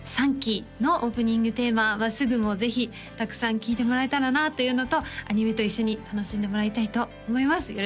３期のオープニングテーマ「まっすぐ」もぜひたくさん聴いてもらえたらなというのとアニメと一緒に楽しんでもらいたいと思います